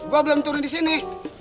gue belum turun di sini